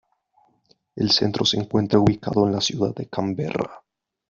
El centro se encuentra ubicado en la ciudad de Canberra.